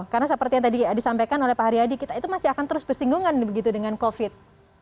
karena seperti yang tadi disampaikan oleh pak haryadi kita itu masih akan terus bersinggungan begitu dengan covid